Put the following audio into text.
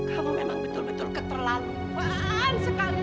kamu memang betul betul keterlaluan sekali